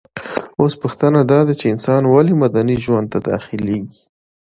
اوس پوښتنه داده چي انسان ولي مدني ژوند ته داخليږي؟